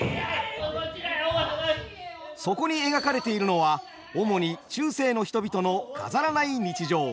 そこに描かれているのは主に中世の人々の飾らない日常。